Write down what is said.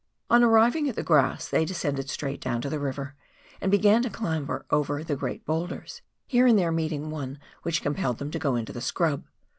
On arriving at the grass they descended straight down to the river and began to clamber over the great boulders, here and there meeting one which compelled them to go into the scrub.